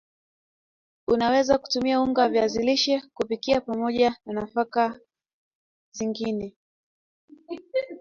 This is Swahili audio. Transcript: unaweza kutumia unga wa viazi lishe kupikia pamoja na nafaka zungine